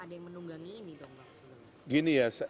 ada yang menunggangi ini dong pak